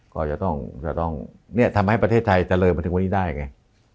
ก็จะต้องเนี่ยทำให้ประเทศไทยเจริญมาถึงวันนี้ได้ไง